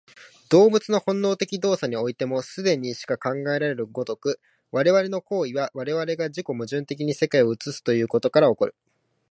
動物の本能的動作においても、既にしか考えられる如く、我々の行為は我々が自己矛盾的に世界を映すということから起こる。